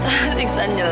mas iksan jelek